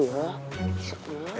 eh siapa yang manfaatin emak lo